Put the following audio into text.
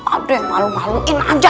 ada yang malu maluin aja